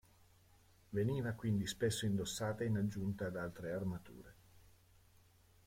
Veniva quindi spesso indossata in aggiunta ad altre armature.